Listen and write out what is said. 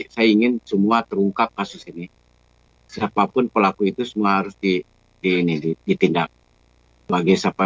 kami mohon kepada kapolri dan pak presiden jokowi widodo